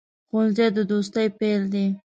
ښوونځی د دوستۍ پیل دی